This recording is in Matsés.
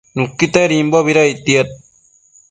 Nuquitedimbobi ictiad